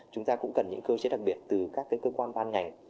chúng ta cũng cần những cơ chế đặc biệt từ các cơ quan ban ngành